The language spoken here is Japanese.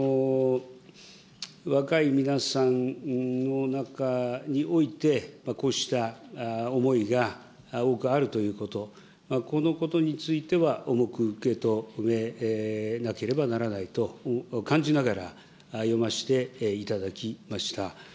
若い皆さんの中において、こうした思いが多くあるということ、このことについては重く受け止めなければならないと感じながら読ませていただきました。